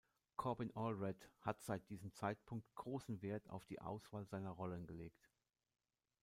Corbin Allred hat seit diesem Zeitpunkt großen Wert auf die Auswahl seiner Rollen gelegt.